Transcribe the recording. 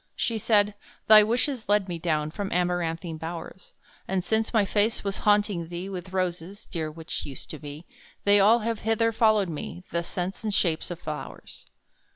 She said, "thy wishes led me down, From amaranthine bowers: And since my face was haunting thee With roses (dear which used to be), They all have hither followed me, The scents and shapes of flowers."